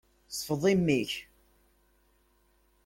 Sfeḍ imi-k!